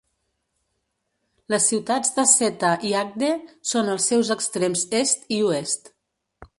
Les ciutats de Seta i Agde són als seus extrems est i oest.